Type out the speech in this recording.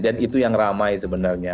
dan itu yang ramai sebenarnya